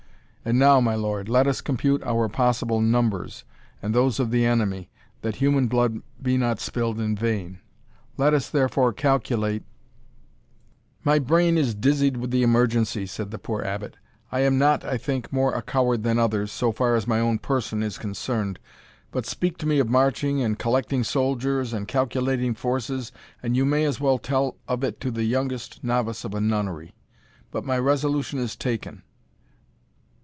And now, my lord, let us compute our possible numbers, and those of the enemy, that human blood be not spilled in vain Let us therefore calculate " "My brain is dizzied with the emergency," said the poor Abbot "I am not, I think, more a coward than others, so far as my own person is concerned; but speak to me of marching and collecting soldiers, and calculating forces, and you may as well tell of it to the youngest novice of a nunnery. But my resolution is taken.